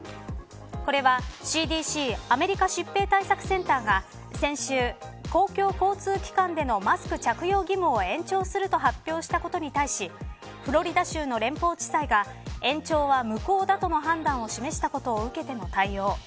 これは、ＣＤＣアメリカ疾病対策センターが先週、公共交通機関でのマスク着用義務を延長すると発表したことに対しフロリダ州の連邦地裁が延長は無効だとの判断を示したことを受けての対応。